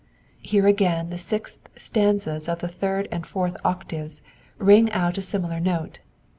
Here again the sixth stanzas of the third and fourth octaves ring out a similar note.